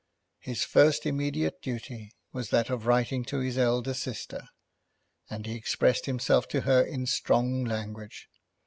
His first immediate duty was that of writing to his elder sister, and he expressed himself to her in strong language.